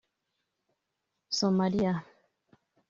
Somaliya